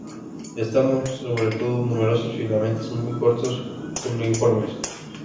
Estambres sobre todo numerosos, filamentos muy cortos, cuneiformes.